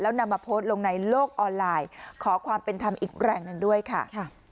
นำมาโพสต์ลงในโลกออนไลน์ขอความเป็นธรรมอีกแรงหนึ่งด้วยค่ะ